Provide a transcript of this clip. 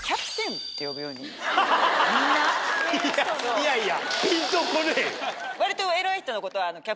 いやいや！